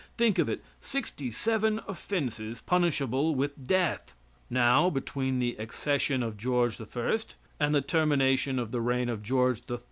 Think of it! Sixty seven offenses punishable with death! Now, between the accession of George I. and the termination of the reign of George III.